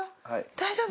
大丈夫？